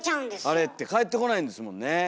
あれって返ってこないんですもんね。